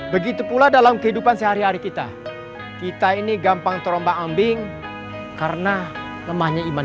begitu pula dalam kehidupan sehari hari kita kita ini gampang terombak ambing karena lemahnya iman